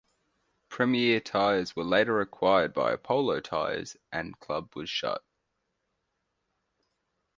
Premier Tyres were later acquired by Apollo Tyres and club was shut.